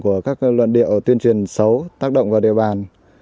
của các luận điệu tuyên truyền xấu tác động vào địa bàn